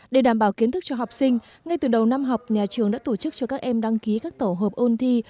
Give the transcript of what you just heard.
để đảm bảo kiến thức cho học sinh ngay từ đầu năm học nhà trường đã tổ chức cho các em đăng ký các tổ hợp ôn thi